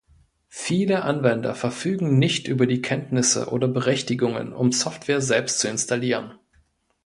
Viele Anwender verfügen nicht über die Kenntnisse oder Berechtigungen, um Software selbst zu installieren.